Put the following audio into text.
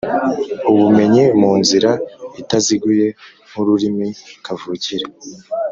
ubumenyi mu nzira itaziguye, nk’ururimi kavukire